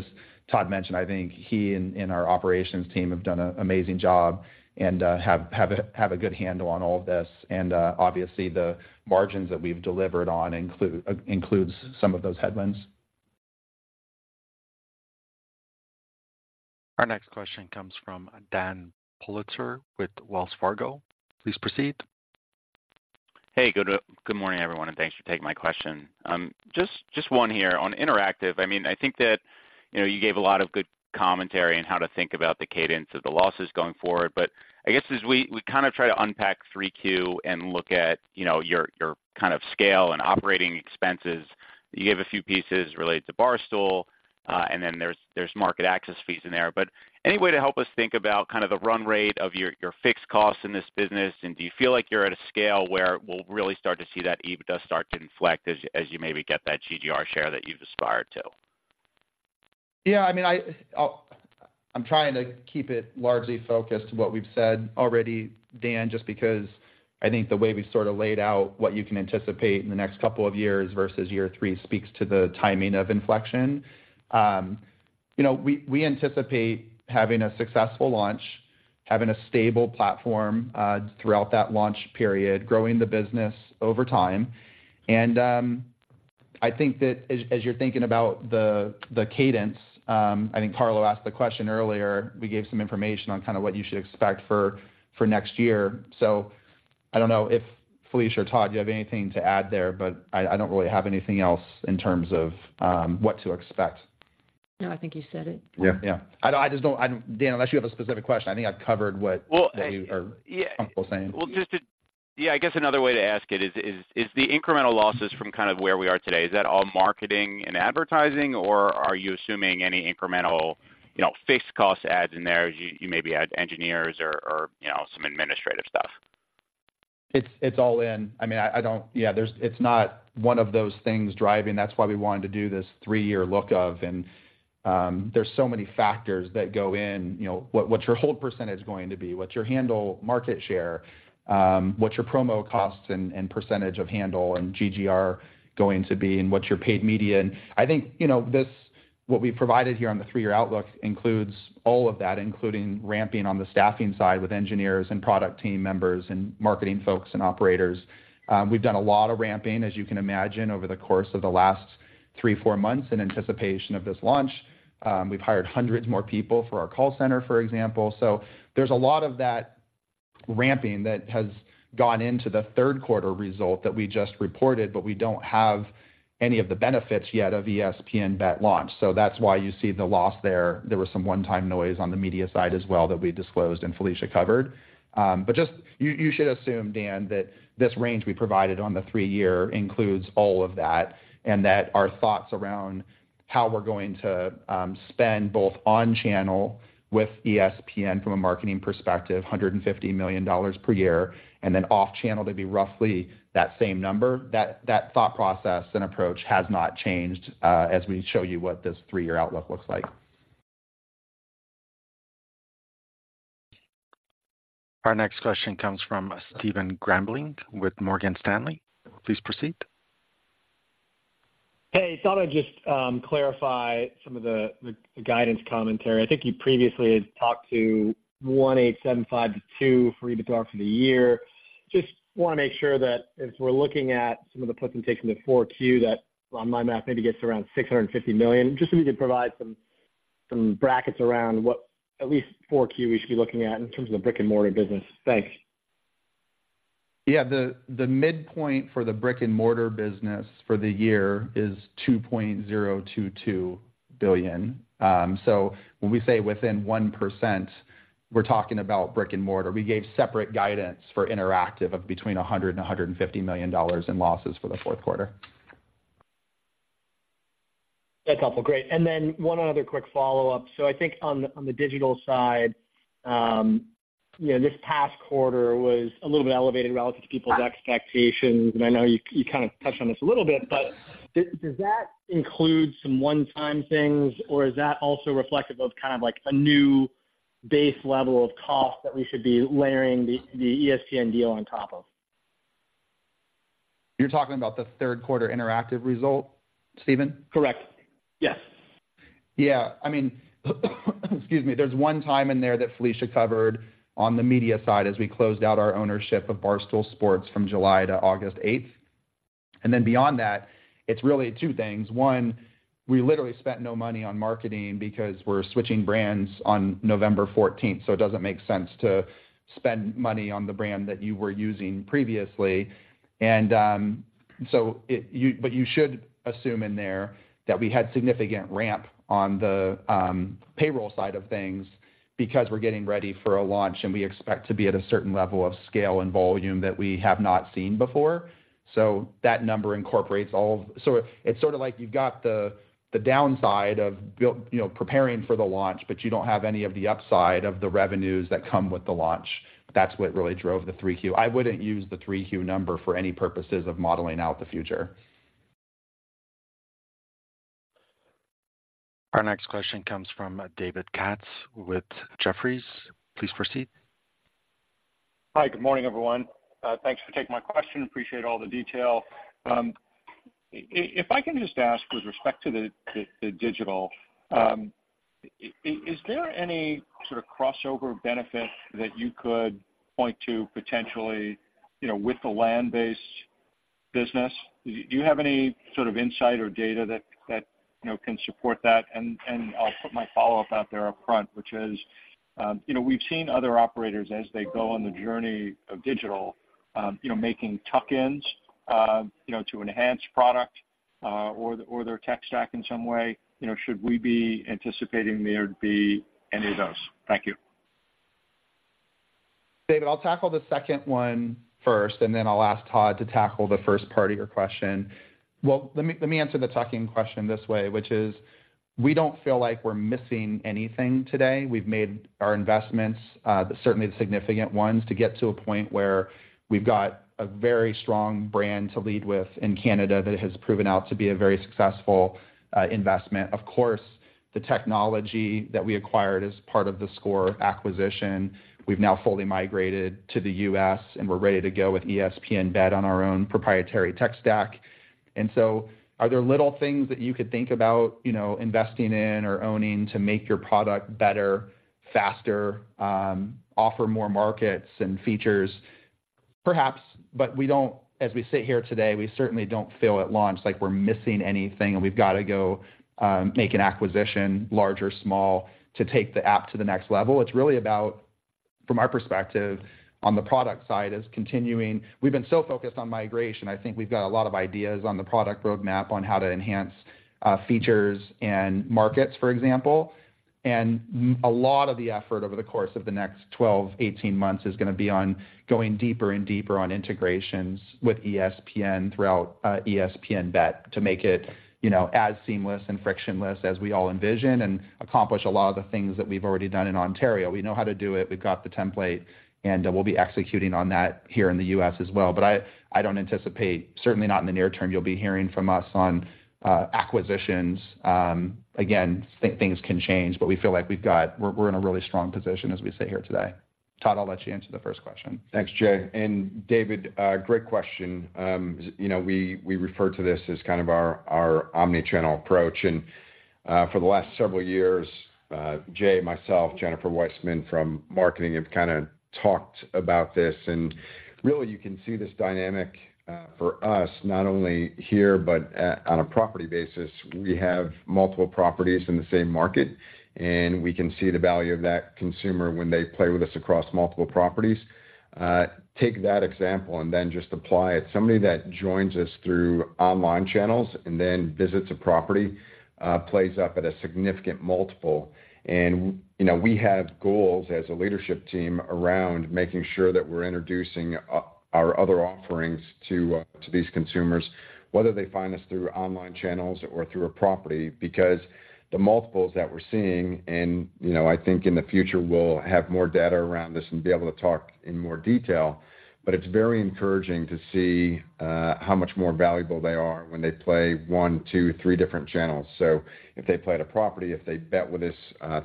as Todd mentioned, I think he and our operations team have done an amazing job and have a good handle on all of this. Obviously, the margins that we've delivered on includes some of those headwinds. Our next question comes from Dan Politzer with Wells Fargo. Please proceed. Hey, good morning, everyone, and thanks for taking my question. Just one here. On Interactive, I mean, I think that, you know, you gave a lot of good commentary on how to think about the cadence of the losses going forward. But I guess as we kind of try to unpack 3Q and look at, you know, your scale and operating expenses, you gave a few pieces related to Barstool, and then there's market access fees in there. But any way to help us think about kind of the run rate of your fixed costs in this business, and do you feel like you're at a scale where we'll really start to see that EBITDA start to inflect as you maybe get that GGR share that you've aspired to? Yeah, I mean, I, I'm trying to keep it largely focused to what we've said already, Dan, just because I think the way we've sort of laid out what you can anticipate in the next couple of years versus year three speaks to the timing of inflection. You know, we, we anticipate having a successful launch... having a stable platform, throughout that launch period, growing the business over time. And, I think that as, as you're thinking about the, the cadence, I think Carlo asked the question earlier, we gave some information on kind of what you should expect for, for next year. So I don't know if Felicia or Todd, you have anything to add there, but I, I don't really have anything else in terms of, what to expect. No, I think you said it. Yeah. Yeah. I know, I just don't—I, Dan, unless you have a specific question, I think I've covered what- Well, uh- what you are comfortable saying. Well, yeah, I guess another way to ask it is, is the incremental losses from kind of where we are today all marketing and advertising, or are you assuming any incremental, you know, fixed cost adds in there? You maybe add engineers or, you know, some administrative stuff? It's all in. I mean, I don't... Yeah, there's, it's not one of those things driving. That's why we wanted to do this three-year look of, and, there's so many factors that go in. You know, what's your hold percentage going to be? What's your handle market share? What's your promo costs and percentage of handle and GGR going to be? And what's your paid media? And I think, you know, this, what we provided here on the three-year outlook includes all of that, including ramping on the staffing side with engineers and product team members and marketing folks and operators. We've done a lot of ramping, as you can imagine, over the course of the last three-four months in anticipation of this launch. We've hired hundreds more people for our call center, for example. So there's a lot of that ramping that has gone into the third quarter result that we just reported, but we don't have any of the benefits yet of ESPN BET launch. So that's why you see the loss there. There was some one-time noise on the media side as well that we disclosed and Felicia covered. But just, you should assume, Dan, that this range we provided on the three-year includes all of that, and that our thoughts around how we're going to spend both on channel with ESPN from a marketing perspective, $150 million per year, and then off channel to be roughly that same number, that thought process and approach has not changed, as we show you what this three-year outlook looks like. Our next question comes from Stephen Grambling with Morgan Stanley. Please proceed. Hey, thought I'd just clarify some of the guidance commentary. I think you previously had talked to $1.875 billion-$2 billion for EBITDA for the year. Just wanna make sure that as we're looking at some of the puts and takes in the 4Q, that on my math, maybe gets around $650 million, just so we can provide some brackets around what at least 4Q we should be looking at in terms of the brick-and-mortar business. Thanks. Yeah, the midpoint for the brick-and-mortar business for the year is $2.022 billion. So when we say within 1%, we're talking about brick and mortar. We gave separate guidance for Interactive of between $100 million and $150 million in losses for the fourth quarter. That's helpful. Great. And then one other quick follow-up. So I think on the digital side, you know, this past quarter was a little bit elevated relative to people's expectations, and I know you kind of touched on this a little bit, but does that include some one-time things, or is that also reflective of kind of like a new base level of cost that we should be layering the ESPN deal on top of? You're talking about the third quarter Interactive result, Stephen? Correct. Yes. Yeah. I mean, excuse me. There's one time in there that Felicia covered on the media side as we closed out our ownership of Barstool Sports from July to August 8. And then beyond that, it's really two things: one, we literally spent no money on marketing because we're switching brands on November 14, so it doesn't make sense to spend money on the brand that you were using previously. And, so it, but you should assume in there that we had significant ramp on the payroll side of things because we're getting ready for a launch, and we expect to be at a certain level of scale and volume that we have not seen before. So it's sort of like you've got the downside of build, you know, preparing for the launch, but you don't have any of the upside of the revenues that come with the launch. That's what really drove the 3Q. I wouldn't use the 3Q number for any purposes of modeling out the future. Our next question comes from David Katz with Jefferies. Please proceed. Hi, good morning, everyone. Thanks for taking my question. Appreciate all the detail. If I can just ask with respect to the digital, is there any sort of crossover benefit that you could point to potentially, you know, with the land-based business? Do you have any sort of insight or data that you know, can support that? And I'll put my follow-up out there upfront, which is, you know, we've seen other operators as they go on the journey of digital, you know, making tuck-ins to enhance product or their tech stack in some way. You know, should we be anticipating there'd be any of those? Thank you. David, I'll tackle the second one first, and then I'll ask Todd to tackle the first part of your question. Well, let me, let me answer the tuck-in question this way, which is: We don't feel like we're missing anything today. We've made our investments, certainly the significant ones, to get to a point where we've got a very strong brand to lead with in Canada that has proven out to be a very successful investment. Of course, the technology that we acquired as part of theScore acquisition, we've now fully migrated to the U.S., and we're ready to go with ESPN BET on our own proprietary tech stack. And so are there little things that you could think about, you know, investing in or owning to make your product better, faster, offer more markets and features?... Perhaps, but we don't, as we sit here today, we certainly don't feel at launch like we're missing anything, and we've got to go make an acquisition, large or small, to take the app to the next level. It's really about, from our perspective on the product side, is continuing. We've been so focused on migration. I think we've got a lot of ideas on the product roadmap on how to enhance features and markets, for example. And a lot of the effort over the course of the next 12, 18 months is going to be on going deeper and deeper on integrations with ESPN throughout ESPN BET to make it, you know, as seamless and frictionless as we all envision, and accomplish a lot of the things that we've already done in Ontario. We know how to do it. We've got the template, and we'll be executing on that here in the U.S. as well. But I don't anticipate, certainly not in the near term, you'll be hearing from us on acquisitions. Again, things can change, but we feel like we're in a really strong position as we sit here today. Todd, I'll let you answer the first question. Thanks, Jay. And David, great question. You know, we refer to this as kind of our omni-channel approach. And, for the last several years, Jay, myself, Jennifer Weissman from marketing, have kind of talked about this. And really, you can see this dynamic for us, not only here but on a property basis. We have multiple properties in the same market, and we can see the value of that consumer when they play with us across multiple properties. Take that example and then just apply it. Somebody that joins us through online channels and then visits a property, plays up at a significant multiple. You know, we have goals as a leadership team around making sure that we're introducing our other offerings to these consumers, whether they find us through online channels or through a property, because the multiples that we're seeing, and, you know, I think in the future, we'll have more data around this and be able to talk in more detail, but it's very encouraging to see how much more valuable they are when they play one, two, three different channels. So if they play at a property, if they bet with us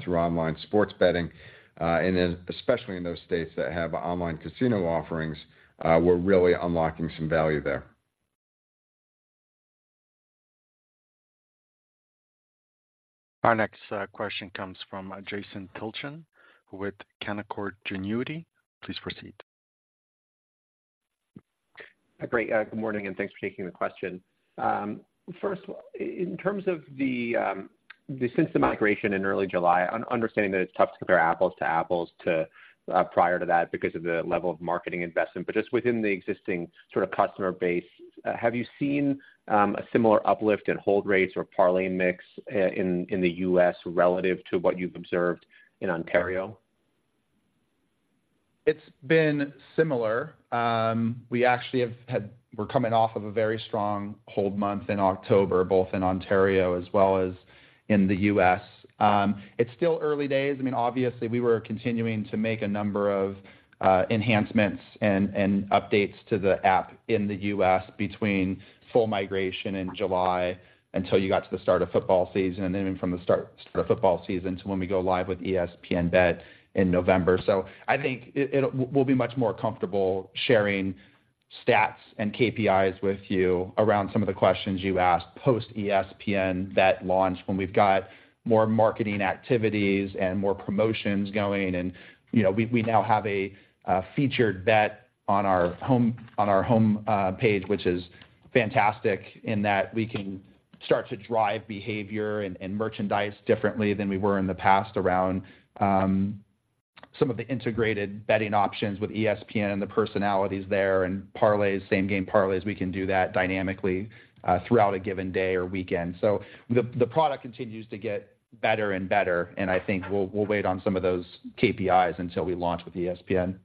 through online sports betting, and then especially in those states that have online casino offerings, we're really unlocking some value there. Our next question comes from Jason Tilchen with Canaccord Genuity. Please proceed. Great. Good morning, and thanks for taking the question. First, in terms of the system migration in early July, understanding that it's tough to compare apples to apples to prior to that because of the level of marketing investment, but just within the existing sort of customer base, have you seen a similar uplift in hold rates or parlay mix in the U.S. relative to what you've observed in Ontario? It's been similar. We actually have had. We're coming off of a very strong hold month in October, both in Ontario as well as in the U.S. It's still early days. I mean, obviously, we were continuing to make a number of enhancements and updates to the app in the U.S. between full migration in July until you got to the start of football season, and then from the start of football season to when we go live with ESPN BET in November. So I think we'll be much more comfortable sharing stats and KPIs with you around some of the questions you asked post-ESPN BET launch, when we've got more marketing activities and more promotions going and, you know, we now have a featured bet on our home page, which is fantastic, in that we can start to drive behavior and merchandise differently than we were in the past around some of the integrated betting options with ESPN and the personalities there, and parlays, same-game parlays, we can do that dynamically throughout a given day or weekend. So the product continues to get better and better, and I think we'll wait on some of those KPIs until we launch with ESPN.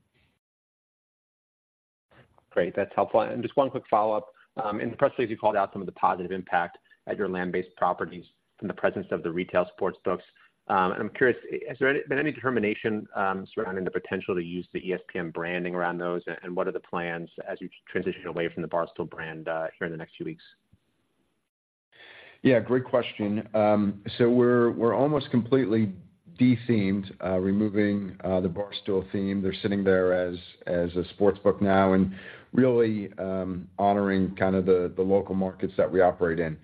Great, that's helpful. And just one quick follow-up. In the press release, you called out some of the positive impact at your land-based properties from the presence of the retail sportsbooks. And I'm curious, has there been any determination surrounding the potential to use the ESPN branding around those? And what are the plans as you transition away from the Barstool brand here in the next few weeks? Yeah, great question. So we're, we're almost completely de-themed, removing, the Barstool theme. They're sitting there as, as a sportsbook now and really, honoring kind of the, the local markets that we operate in.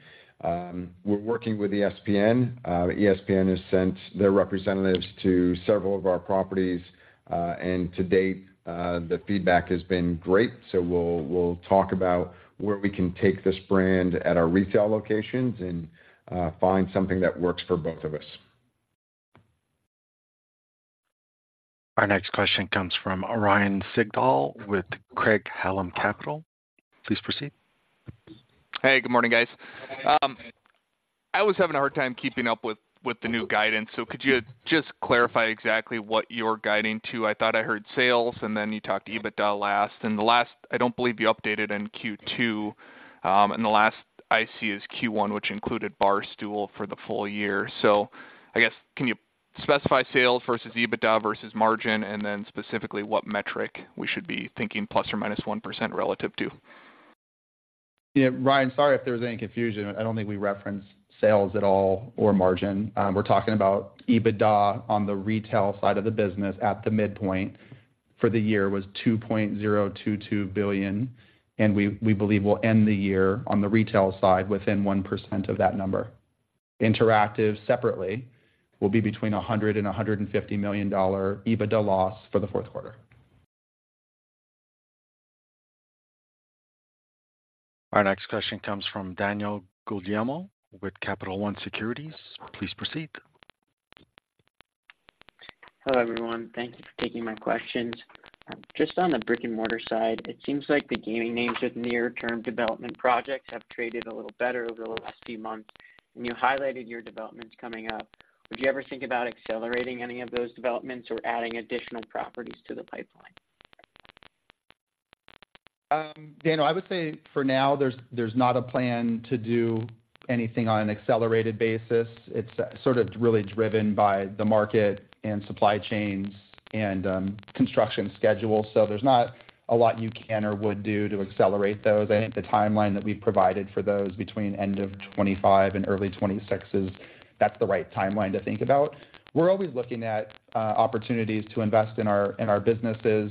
We're working with ESPN. ESPN has sent their representatives to several of our properties, and to date, the feedback has been great. So we'll, we'll talk about where we can take this brand at our retail locations and, find something that works for both of us. Our next question comes from Ryan Sigdahl with Craig-Hallum Capital. Please proceed. Hey, good morning, guys. I was having a hard time keeping up with, with the new guidance, so could you just clarify exactly what you're guiding to? I thought I heard sales, and then you talked EBITDA last. The last... I don't believe you updated in Q2, and the last I see is Q1, which included Barstool for the full year. So I guess, can you specify sales versus EBITDA versus margin, and then specifically, what metric we should be thinking plus or minus 1% relative to? Yeah, Ryan, sorry if there was any confusion. I don't think we referenced sales at all or margin. We're talking about EBITDA on the retail side of the business at the midpoint for the year was $2.022 billion, and we believe we'll end the year on the retail side within 1% of that number.... Interactive separately will be between $100 million and $150 million EBITDA loss for the fourth quarter. Our next question comes from Daniel Guglielmo with Capital One Securities. Please proceed. Hello, everyone. Thank you for taking my questions. Just on the brick-and-mortar side, it seems like the gaming names with near-term development projects have traded a little better over the last few months, and you highlighted your developments coming up. Would you ever think about accelerating any of those developments or adding additional properties to the pipeline? Daniel, I would say for now, there's not a plan to do anything on an accelerated basis. It's sort of really driven by the market and supply chains and construction schedule. So there's not a lot you can or would do to accelerate those. I think the timeline that we've provided for those between end of 2025 and early 2026 is. That's the right timeline to think about. We're always looking at opportunities to invest in our businesses.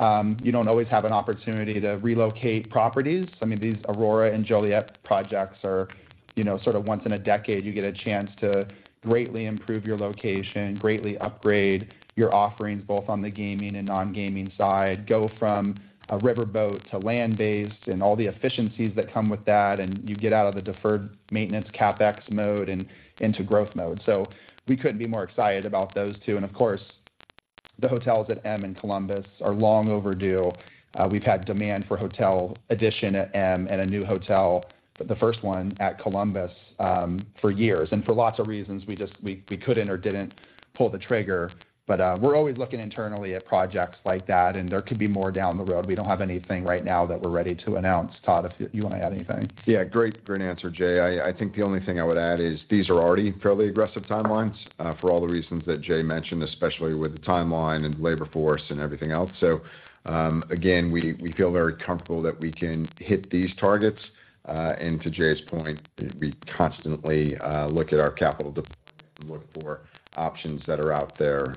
You don't always have an opportunity to relocate properties. I mean, these Aurora and Joliet projects are, you know, sort of once in a decade, you get a chance to greatly improve your location, greatly upgrade your offerings, both on the gaming and non-gaming side, go from a riverboat to land-based, and all the efficiencies that come with that, and you get out of the deferred maintenance CapEx mode and into growth mode. So we couldn't be more excited about those two. And of course, the hotels at M and Columbus are long overdue. We've had demand for hotel addition at M and a new hotel, the first one at Columbus, for years, and for lots of reasons, we just couldn't or didn't pull the trigger. But, we're always looking internally at projects like that, and there could be more down the road. We don't have anything right now that we're ready to announce. Todd, if you want to add anything? Yeah, great, great answer, Jay. I, I think the only thing I would add is these are already fairly aggressive timelines, for all the reasons that Jay mentioned, especially with the timeline and labor force and everything else. So, again, we, we feel very comfortable that we can hit these targets. And to Jay's point, we constantly, look at our capital deployment and look for options that are out there.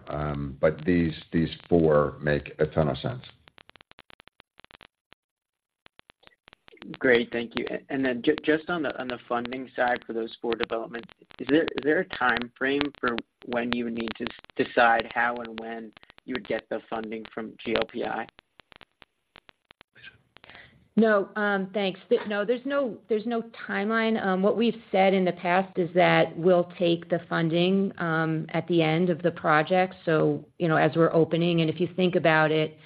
But these, these four make a ton of sense. Great. Thank you. And then just on the funding side for those four developments, is there a timeframe for when you need to decide how and when you would get the funding from GLPI? Felicia? No, thanks. No, there's no timeline. What we've said in the past is that we'll take the funding at the end of the project, so, you know, as we're opening, and if you think about it,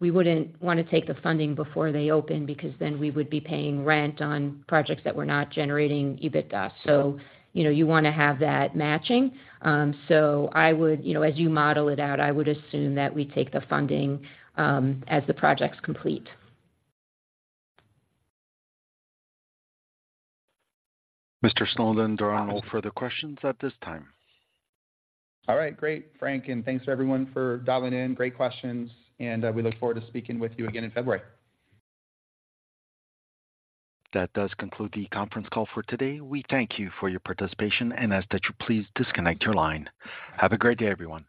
we wouldn't want to take the funding before they open, because then we would be paying rent on projects that were not generating EBITDA. So, you know, you want to have that matching. So I would, you know, as you model it out, I would assume that we take the funding as the projects complete. Mr. Snowden, there are no further questions at this time. All right, great, Frank, and thanks for everyone for dialing in. Great questions, and we look forward to speaking with you again in February. That does conclude the conference call for today. We thank you for your participation and ask that you please disconnect your line. Have a great day, everyone.